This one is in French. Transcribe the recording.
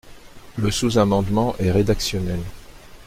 Le sous-amendement est rédactionnel.